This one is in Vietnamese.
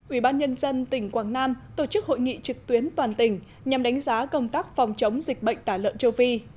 ủy ban nhân dân tỉnh quảng nam tổ chức hội nghị trực tuyến toàn tỉnh nhằm đánh giá công tác phòng chống dịch bệnh tả lợn châu phi